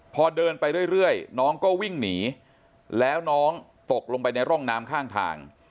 พอเดินไปเรื่อยน้องก็วิ่งหนีแล้วน้องตกลงไปในร่องน้ำข้างทาง